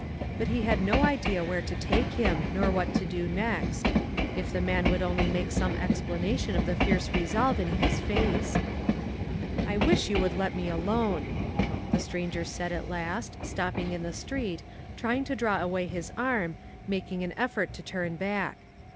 But he had no idea where to take him, nor what to do next. If the man would only make some explanation of the fierce resolve in his face !" I wish you would let me alon6," the stranger said, at last, stopping in the street, trying to draw away his arm, making an effort to turn back.